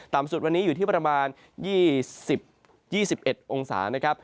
สุดวันนี้อยู่ที่ประมาณ๒๐๒๑องศานะครับ